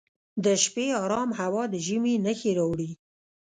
د شپې ارام هوا د ژمي نښې راوړي.